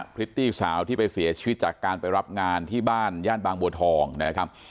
พริตตี้สาวที่ไปเสียชีวิตจากการไปรับงานที่บ้านย่านบางบัวทองนะครับ